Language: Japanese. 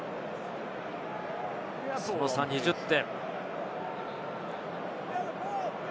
その差２０点。